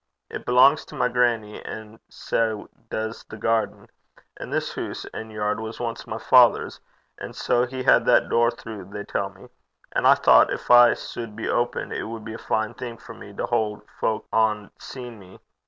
It belangs to my grannie, and sae does the yaird (garden). An' this hoose and yaird was ance my father's, and sae he had that door throu, they tell me. An' I thocht gin it suld be open, it wad be a fine thing for me, to haud fowk ohn seen me.